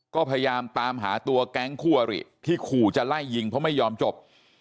ก็พยายามตามหาตัวแก๊งคู่อริที่ขู่จะไล่ยิงเพราะไม่ยอมจบ